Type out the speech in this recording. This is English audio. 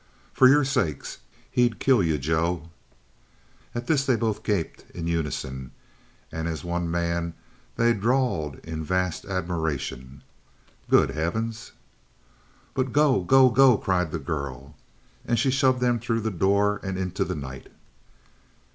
"For your sakes; he'd kill you, Joe!" At this they both gaped in unison, and as one man they drawled in vast admiration: "Good heavens!" "But go, go, go!" cried the girl. And she shoved them through the door and into the night.